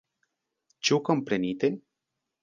Ĉu komprenite?